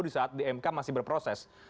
di saat di mk masih berproses